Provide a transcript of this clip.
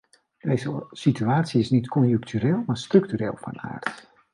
Deze situatie is niet conjunctureel, maar structureel van aard.